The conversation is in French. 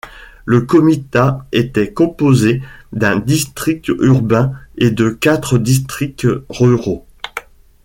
Le comitat était composé d'un district urbain et de quatre districts ruraux.